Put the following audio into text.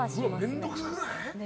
面倒くさくない？